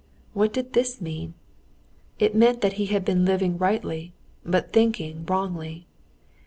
What did this mean? It meant that he had been living rightly, but thinking wrongly.